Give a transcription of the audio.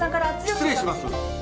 失礼します。